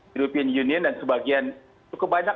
european union dan sebagian cukup banyak